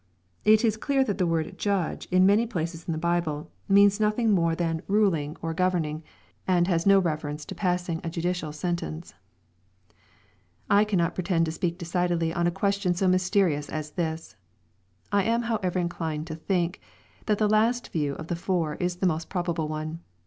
It is clear that, the word judge," ui many places in the Bible, means nothing more than " n^g s» LUKE, CHAP. XXII. 409 or governing " and ;ias no reference to passing a judicial Ben* tence. I cannot pretend to speak decidedly on a question so mysterious as this. I am liowev^r inclined to tliink, that the last view of the four is the most probable one.